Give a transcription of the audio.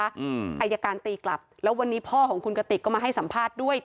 อายการตีกลับแล้ววันนี้พ่อของคุณกติกก็มาให้สัมภาษณ์ด้วย